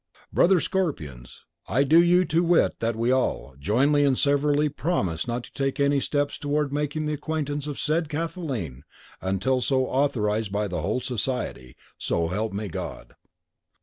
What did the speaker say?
Brother Scorpions, I do you to wit that we all, jointly and severally, promise not to take any steps toward making the acquaintance of said Kathleen until so authorized by the whole society. So help me God!"